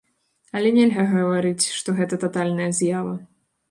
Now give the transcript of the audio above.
Але нельга гаварыць, што гэта татальная з'ява.